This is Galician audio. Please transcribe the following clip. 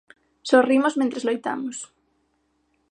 Sorrimos mentres loitamos.